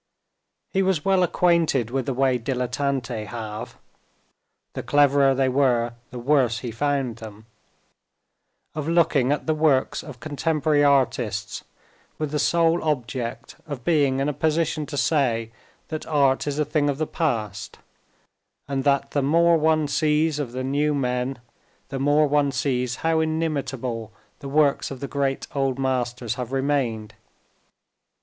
He was well acquainted with the way dilettanti have (the cleverer they were the worse he found them) of looking at the works of contemporary artists with the sole object of being in a position to say that art is a thing of the past, and that the more one sees of the new men the more one sees how inimitable the works of the great old masters have remained.